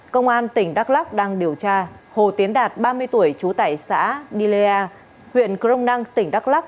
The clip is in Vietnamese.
công an tỉnh đắk lắc đang điều tra hồ tiến đạt ba mươi tuổi chú tải xã nilea huyện cronang tỉnh đắk lắc